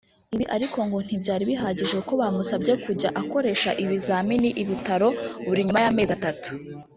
Ibi ariko ngo ntibyari bihagije kuko bamusabye kujya akoresha ibizamini i Butaro buri nyuma y’amezi atatu